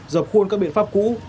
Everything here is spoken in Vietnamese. dập khuôn các biện pháp cũ